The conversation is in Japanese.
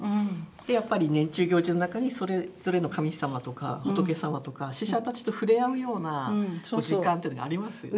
やっぱり年中行事の中にそれぞれの神様とか仏様とか死者たちと触れ合うような時間っていうのがありますよね。